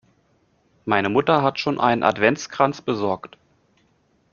Meine Mutter hat schon einen Adventskranz besorgt.